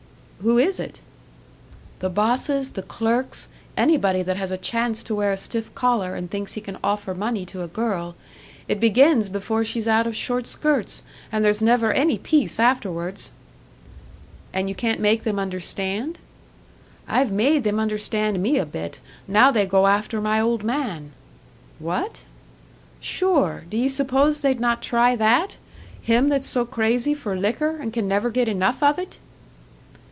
"Who is it?" "The bosses, the clerks anybody that has a chance to wear a stiff collar, and thinks he can offer money to a girl. It begins before she's out of short skirts, and there's never any peace afterwards." "And you can't make them understand?" "I've made them understand me a bit; now they go after my old man." "What?" "Sure! D'ye suppose they'd not try that? Him that's so crazy for liquor, and can never get enough of it!"